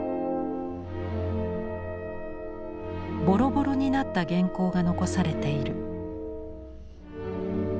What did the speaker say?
ボロボロになった原稿が残されている。